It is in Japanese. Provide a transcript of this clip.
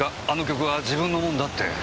あの曲は自分のものだって。